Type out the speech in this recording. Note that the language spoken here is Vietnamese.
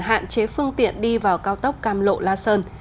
hạn chế phương tiện đi vào cao tốc cam lộ la sơn